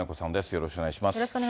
よろしくお願いします。